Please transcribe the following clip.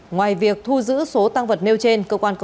ngoài việc thu giữ số tăng vật nêu trên